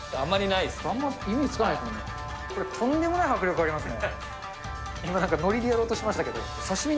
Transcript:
いいんですか、これ、とんでもない迫力ありますね。